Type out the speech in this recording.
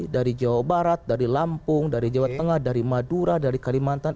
dari jawa barat dari lampung dari jawa tengah dari madura dari kalimantan